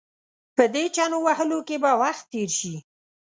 په دې چنو وهلو کې به وخت تېر شي.